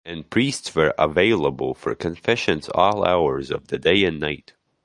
And priests were available for confessions all hours of the day and night.